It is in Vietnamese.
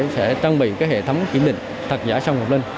sẽ trang bị các hệ thống chỉ định thật giả sâm ngọc linh